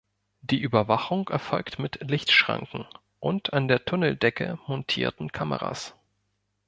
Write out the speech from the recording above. Die Überwachung erfolgt mit Lichtschranken und an der Tunneldecke montierten Kameras.